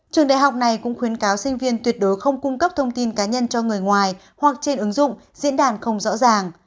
trường đại học này cũng khuyến cáo sinh viên tuyệt đối không cung cấp thông tin cá nhân cho người ngoài hoặc trên ứng dụng diễn đàn không rõ ràng